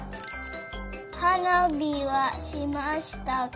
「はなびはしましたか」。